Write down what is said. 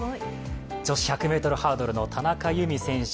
女子１００ｍハードルの田中佑美選手